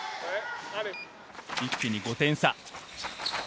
一気に５点差。